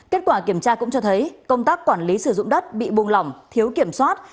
kết quả kiểm tra cũng cho thấy công tác quản lý sử dụng đất bị buông lỏng thiếu kiểm soát